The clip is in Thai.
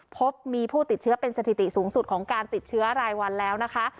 พบมีผู้ติดเชื้อเป็นสถิติสูงสุดของการติดเชื้อรายวันแล้วนะคะ